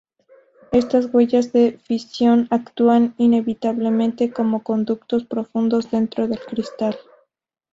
Estas huellas de fisión actúan, inevitablemente, como conductos profundos dentro del cristal.